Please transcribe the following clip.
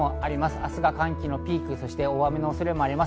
明日が寒気のピーク、大雨の恐れもあります。